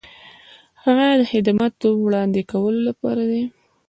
هغه د خدماتو د وړاندې کولو لپاره دی.